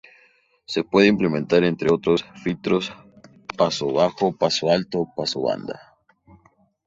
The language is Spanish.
Se pueden implementar, entre otros, filtros paso bajo, paso alto, paso banda.